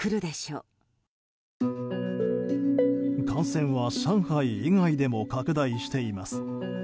感染は上海以外でも拡大しています。